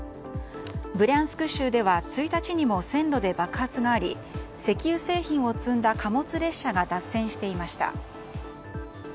ブリャンスク州では１日にも線路で爆発があり石油製品を積んだ貨物列車が脱線していました。